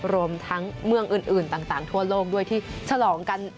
รวมทั้งเมืองอื่นต่างทั่วโลกด้วยที่ฉลองกัน